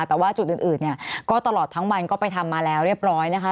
แต่ว่าจุดอื่นเนี่ยก็ตลอดทั้งวันก็ไปทำมาแล้วเรียบร้อยนะคะ